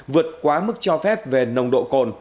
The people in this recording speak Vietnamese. vượt quá mức cho phép về nồng độ cồn